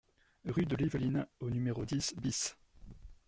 Rue de l'Yveline au numéro dix BIS